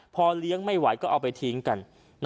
พอเลี้ยงไม่ไหวก็เอาไปทิ้งกัน